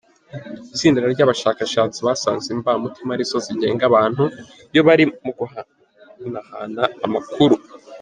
Itsinda ry'abashakashatsi basanze imbamutima ari zo zigenga abantu iyo bari mu guhanahana amakuru.